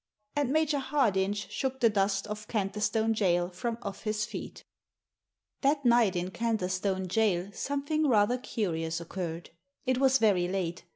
And Major Hardinge shook the dust of Canterstone Jail from off his feet That night in Canterstone Jail something rather curious occurred. It was very late.